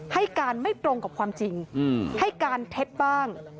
ให้การไม่ตรงกับความจริงให้การเท็จบ้าง